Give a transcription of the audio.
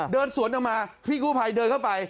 เดินสวนออกมาพี่กู้ภัยเดินเข้าไป